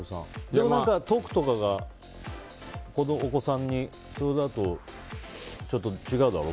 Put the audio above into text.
でも、トークとかがお子さんにそれだとちょっと違うだろ？